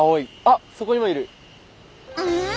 うん？